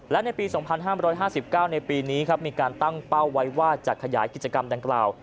และในปี๒๕๕๙ในปีนี้ครับมีการตั้งเป้าไว้ว่าจะขยายกิจกรรมดังกล่าว